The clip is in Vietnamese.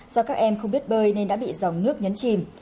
do các em không biết bơi nên đã bị dòng nước nhấn chìm